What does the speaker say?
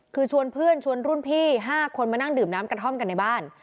คือชวนเพื่อนชวนรุ่นพี่๕คนมานั่งดื่มน้ำกระท่อมกันในบ้าน